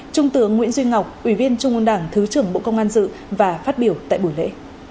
trung tướng nguyễn duy ngọc ủy viên trung ương đảng thứ trưởng bộ công an dự và phát biểu tại buổi lễ